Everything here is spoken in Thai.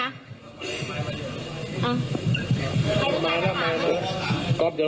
นี่นะครับค่ะไม่ยินมั้ยค่ะอ่ามาแล้วมาแล้วกอล์ฟเดี๋ยว